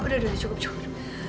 udah udah udah cukup cukup